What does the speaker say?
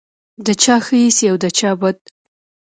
د چا ښه ایسې او د چا بد.